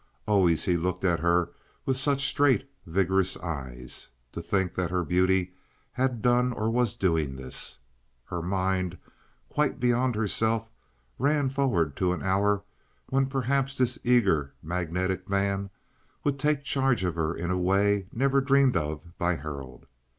Always he looked at her with such straight, vigorous eyes. To think that her beauty had done or was doing this! Her mind, quite beyond herself, ran forward to an hour when perhaps this eager, magnetic man would take charge of her in a way never dreamed of by Harold.